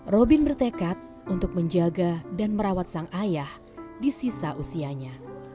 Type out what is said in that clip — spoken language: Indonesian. robin bertekad untuk menjaga dan merawat sang ayah di sisa usianya